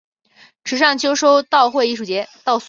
池上秋收稻穗艺术节